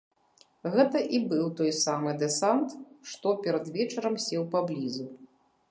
Гэта і быў той самы дэсант, што перад вечарам сеў поблізу.